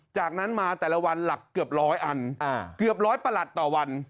จากนั้นมาแต่ละวันหลักเกือบร้อยอันเกือบร้อยประหลัดต่อวัน